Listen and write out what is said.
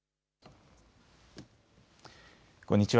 こんにちは。